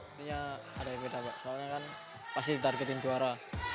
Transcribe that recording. intinya ada yang beda soalnya kan pasti target tim juara